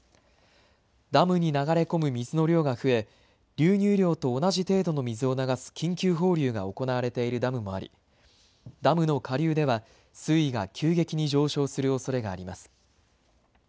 ダムに流れ込む水の量が増え流入量と同じ程度の水を流す緊急放流が行われているダムもありダムの下流では水位が急激に上昇するおそれがあります。